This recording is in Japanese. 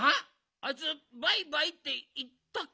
あいつ「バイバイ」っていったっけ？